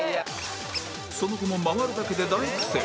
その後も回るだけで大苦戦